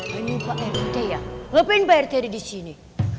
hei ini pak rt ya ngapain pak rt ada di sini